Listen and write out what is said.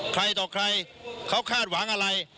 ใครต่อใครเขาคาดหวังอะไร